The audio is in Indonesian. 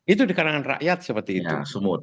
itu di kalangan rakyat seperti itu